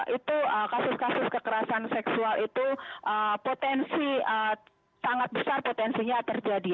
itu kasus kasus kekerasan seksual itu potensi sangat besar potensinya terjadi